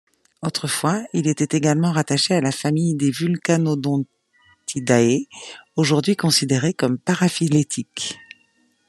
Autrefois, il était également rattaché à la famille des Vulcanodontidae aujourd'hui considérée comme paraphylétique.